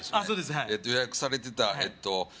そうですはい予約されてたえっと